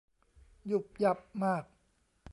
ยุ่บยั่บมาก